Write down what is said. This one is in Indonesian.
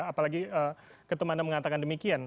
apalagi ketum anda mengatakan demikian